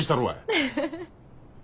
フフフフフ。